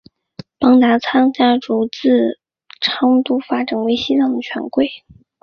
邦达仓家族自昌都发展为西藏的权贵。